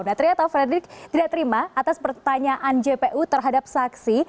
nah ternyata frederick tidak terima atas pertanyaan jpu terhadap saksi